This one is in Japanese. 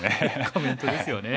コメントですよね。